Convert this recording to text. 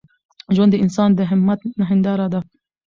ژوند د انسان د همت هنداره ده.